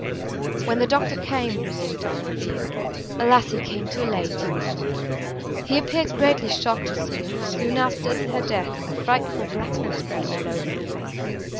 "When the doctor came," resumed Dorothée, "alas! he came too late; he appeared greatly shocked to see her, for soon after her death a frightful blackness spread all over her face.